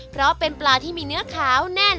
เพราะเป็นปลาที่มีเนื้อขาวแน่น